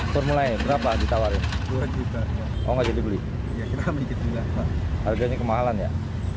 formula e berapa ditawarin dua juta oh nggak jadi beli harganya kemahalan ya